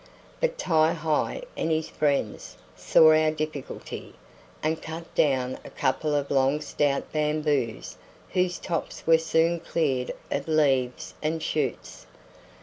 But Ti hi and his friends saw our difficulty, and cut down a couple of long stout bamboos whose tops were soon cleared of leaves and shoots.